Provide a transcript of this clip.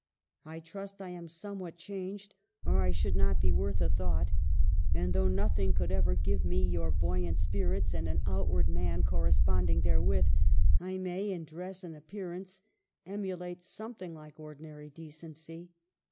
I trust I am somewhat changed, or I should not be worth a thought ; and though nothing could ever give me your buoyant spirits and an outward man corresponding therewith, I may, in dress and appearance, emulate something like ordinary decency.